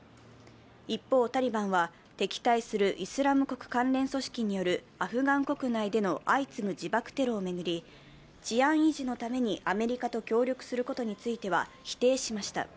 一方タリバンは、敵対するイスラム国関連組織によるアフガン国内での相次ぐ自爆テロを巡り治安維持のためにアメリカと協力するということについては否定しました。